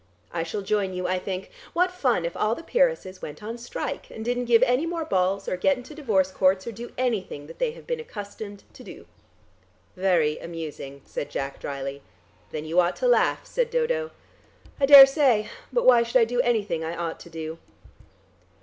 I shall join you, I think. What fun if all the peeresses went on strike, and didn't give any more balls or get into divorce courts, or do anything that they have been accustomed to do." "Very amusing," said Jack drily. "Then you ought to laugh," said Dodo. "I daresay. But why should I do anything I ought to do?"